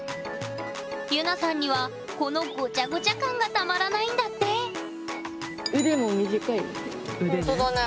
ゆなさんにはこのごちゃごちゃ感がたまらないんだってほんとだね